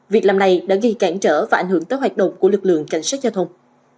việc làm này đã gây cản trở và ảnh hưởng tới hoạt động của lực lượng cảnh sát giao thông